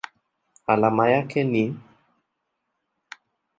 Alama yake ni µm.